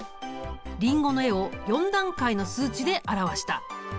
リンゴの絵を４段階の数値で表した。